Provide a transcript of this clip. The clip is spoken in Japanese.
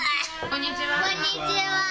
こんにちは。